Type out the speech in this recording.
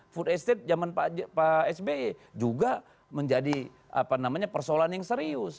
food estate zaman pak sby juga menjadi persoalan yang serius